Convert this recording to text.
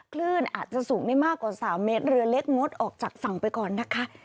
คลื่นอาจจะสูงได้มากกว่า๓เมตรเรือเล็กงดออกจากฝั่งไปก่อนนะคะ